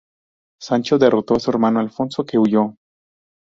Sancho derrotó a su hermano Alfonso que huyó.